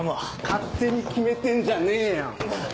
勝手に決めてんじゃねえよ。